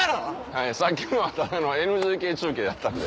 はいさっきのはただのＮＧＫ中継やったんで。